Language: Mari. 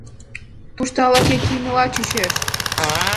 — Тушто ала-кӧ кийымыла чучеш!